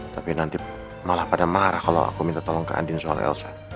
tapi nanti malah pada marah kalau aku minta tolong ke andin soal elsa